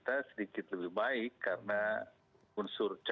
seperti kebebasan sipil